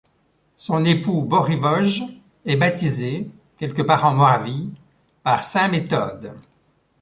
Son époux Bořivoj est baptisé, quelque part en Moravie, par saint Méthode.